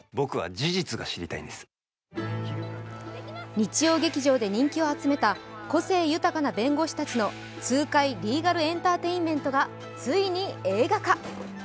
日曜劇場で人気を集めた個性豊かな弁護士たちの痛快リーガルエンターテインメントがついに映画化。